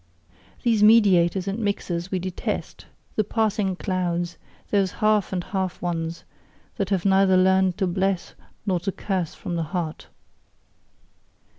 These mediators and mixers we detest the passing clouds: those half and half ones, that have neither learned to bless nor to curse from the heart.